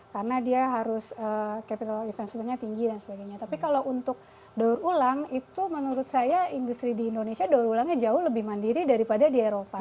karena dia harus capital investmentnya tinggi dan sebagainya tapi kalau untuk daur ulang itu menurut saya industri di indonesia daur ulangnya jauh lebih mandiri daripada di eropa